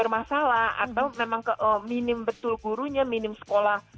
masalah atau memang ke minim betul gurunya minim sekolah